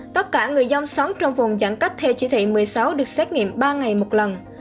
tất cả người dân sống trong vùng giãn cách theo chỉ thị một mươi sáu được xét nghiệm ba ngày một lần